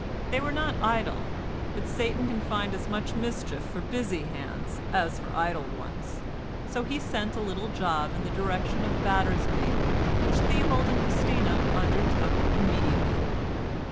They were not idle, but Satan can find as much mischief for busy hands as for idle ones, so he sent a little job in the direction of Battersby which Theobald and Christina undertook immediately.